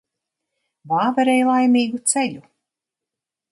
Vāverei laimīgu ceļu.